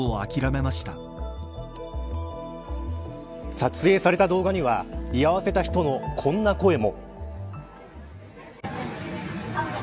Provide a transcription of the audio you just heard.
撮影された動画には居合わせた人のこんな声も。